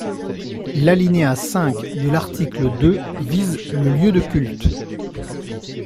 L’alinéa cinq de l’article deux vise le lieu de culte.